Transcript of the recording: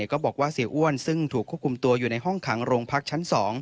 ก็บอกว่าเสียอ้วนซึ่งถูกควบคุมตัวอยู่ในห้องขังโรงพักชั้น๒